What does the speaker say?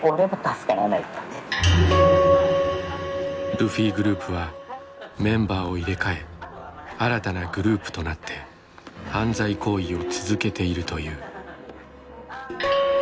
ルフィグループはメンバーを入れ替え新たなグループとなって犯罪行為を続けているという。